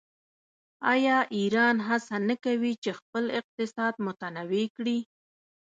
آیا ایران هڅه نه کوي چې خپل اقتصاد متنوع کړي؟